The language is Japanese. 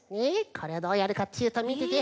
これをどうやるかっちゅうとみてて。